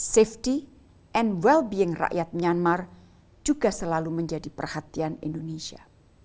keamanan dan keamanan selamat rakyat myanmar juga selalu menjadi perhatian indonesia